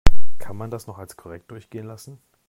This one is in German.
Kann man das noch als korrekt durchgehen lassen?